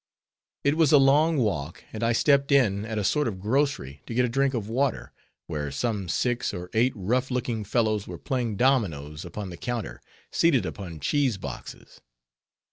It was a long walk; and I stepped in at a sort of grocery to get a drink of water, where some six or eight rough looking fellows were playing dominoes upon the counter, seated upon cheese boxes.